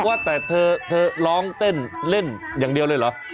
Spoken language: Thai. ว่าแต่เธอร้องเต้นเล่นอย่างเดียวเลยเหรอ